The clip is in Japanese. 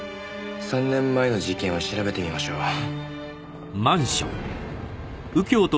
３年前の事件を調べてみましょう。